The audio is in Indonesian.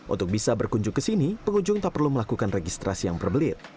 untuk bisa berkunjung ke sini pengunjung tak perlu melakukan registrasi yang berbelit